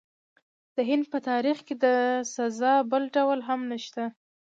د هند په تاریخ کې د سزا بل ډول هم شته.